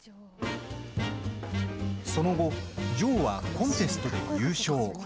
その後ジョーはコンテストで優勝。